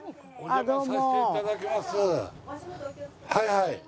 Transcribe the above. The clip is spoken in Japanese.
はいはい。